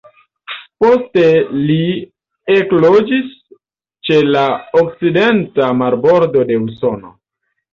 Poste li ekloĝis ĉe la okcidenta marbordo de Usono.